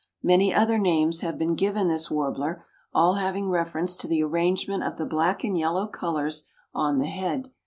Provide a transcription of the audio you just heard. Many other names have been given this warbler, all having reference to the arrangement of the black and yellow colors on the head.